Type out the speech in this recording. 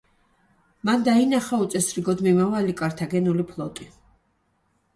მან დაინახა უწესრიგოდ მიმავალი კართაგენული ფლოტი.